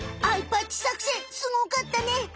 アイパッチ作戦スゴかったね。